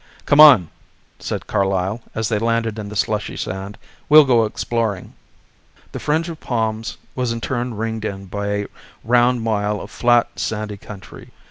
"Come on," said Carlyle as they landed in the slushy sand, "we'll go exploring." The fringe of palms was in turn ringed in by a round mile of flat, sandy country.